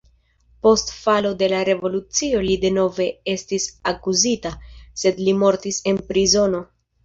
Post falo de la revolucio li denove estis akuzita, sed li mortis en prizono.